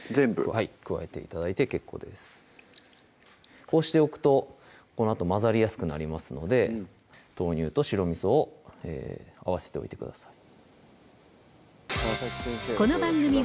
はい加えて頂いて結構ですこうしておくとこのあと混ざりやすくなりますので豆乳と白みそを合わせておいてください